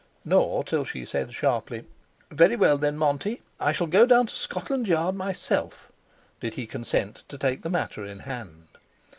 Nor till she said sharply: "Very well, then, Monty, I shall go down to Scotland Yard myself," did he consent to take the matter in hand.